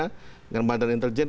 dengan bandar intelijen